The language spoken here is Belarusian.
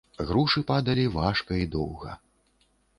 Грушы падалі важка і доўга.